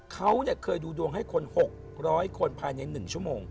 เขาเคยดูดวงให้คน๖๐๐คนภายใน๑ชั่วโมง